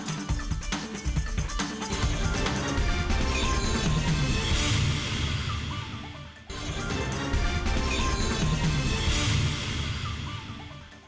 kita akan teman teman